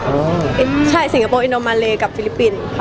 แต่จริงแล้วเขาก็ไม่ได้กลิ่นกันว่าถ้าเราจะมีเพลงไทยก็ได้